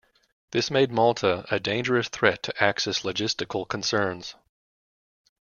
This made Malta a dangerous threat to Axis logistical concerns.